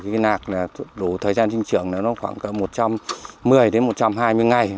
cây lạc đủ thời gian sinh trưởng khoảng một trăm một mươi một trăm hai mươi ngày